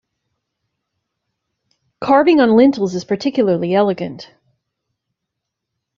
Carving on lintels is particularly elegant.